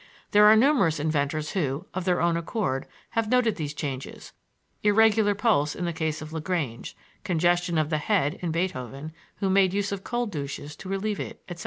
There are numerous inventors who, of their own accord, have noted these changes irregular pulse, in the case of Lagrange; congestion of the head, in Beethoven, who made use of cold douches to relieve it, etc.